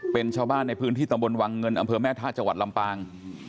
เป็นชาวบ้านในพื้นที่ตำบลวังเงินอำเภอแม่ทะจังหวัดลำปาง